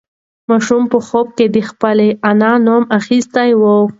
ماشوم په خوب کې د خپلې نیا نوم اخیستی و.